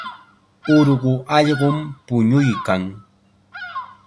Urqu allqum puñuykan.